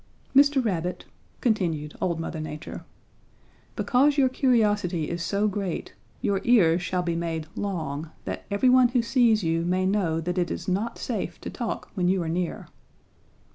"'Mr. Rabbit,' continued old Mother Nature, 'because your curiosity is so great, your ears shall be made long, that every one who sees you may know that it is not safe to talk when you are near.